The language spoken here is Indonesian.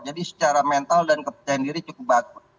jadi secara mental dan kepercayaan diri cukup bagus